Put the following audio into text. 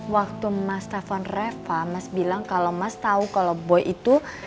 waktu mas telfon reva mas bilang kalau mas tahu kalau boy itu